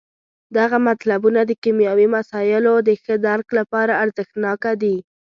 دغه مطلبونه د کیمیاوي مسایلو د ښه درک لپاره ارزښت ناکه دي.